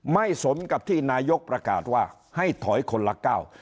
สมกับที่นายกประกาศว่าให้ถอยคนละก้าว